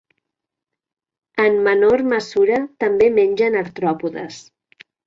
En menor mesura també mengen artròpodes.